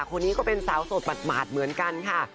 คนนี้ก็เป็นสาวโสดหมาดเหมือนกันค่ะ